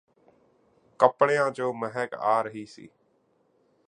ਕਪੜਿਆਂ ਚੋਂ ਮਹਿਕ ਆ ਰਹੀ ਸੀ